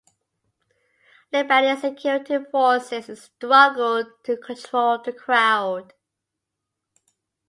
Lebanese security forces struggled to control the crowd.